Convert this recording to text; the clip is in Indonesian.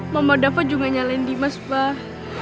mama dapo juga nyalain limas pak